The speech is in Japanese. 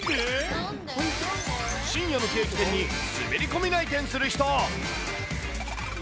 深夜のケーキ店に滑り込み来店する人。